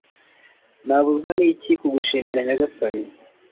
r/ nabuzwa n'iki kugushimira nyagasani